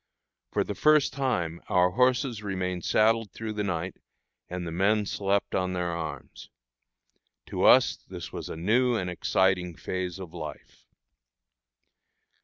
For the first time our horses remained saddled through the night, and the men slept on their arms. To us this was a new and exciting phase of life.